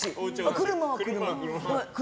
車は車。